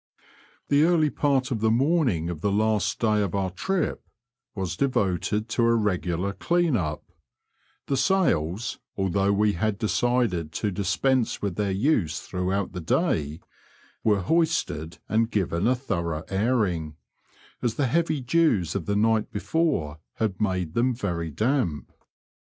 The earlj part of tibe morning of the last day of oar trif was devoted to a regular clean up; the sails, although we had decided to dispense with thdr use throughout the day, were hoisted and given a thorough airing, as the heavy dews of the night before had made them very damp.